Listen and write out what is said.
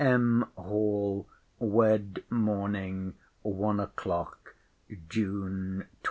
] M. HALL, WED. MORNING, ONE O'CLOCK, JUNE 28.